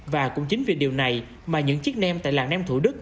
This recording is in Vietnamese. và cũng chính vì điều này mà những chiếc nem tại lạc nem thủ đức